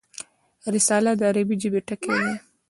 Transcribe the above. رساله د عربي ژبي ټکی دﺉ.